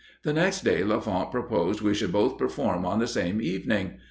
The next day Lafont proposed we should both perform on the same evening.